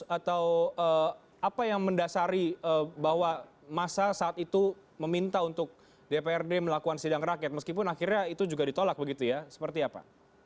atau apa yang mendasari bahwa masa saat itu meminta untuk dprd melakukan sidang rakyat meskipun akhirnya itu juga ditolak begitu ya seperti apa